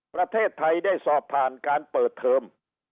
ประเทศไทยได้สอบผ่านการเปิดเทอม